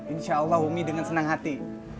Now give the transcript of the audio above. insya allah umi dengan senang hati